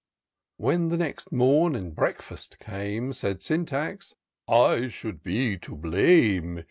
287 When the next morn and breakfast came, Said Syntax, I should be to blame.